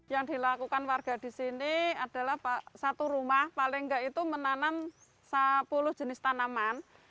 yang dilakukan warga di sini adalah satu rumah paling nggak itu menanam sepuluh jenis tanaman